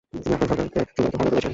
তিনি আফগান সরকারকে সংগঠিত করেছিলেন।